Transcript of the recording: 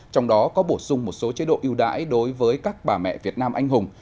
trong đó có bổ sung một số chế độ ưu đãi đối với các bà mẹ việt nam anh hùng